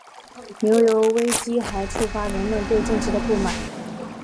牛油危机还触发人们对政治的不满。